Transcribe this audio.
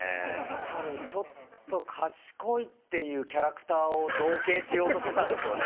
たぶんちょっと賢いっていうキャラクターを造形しようとしてたんでしょうね。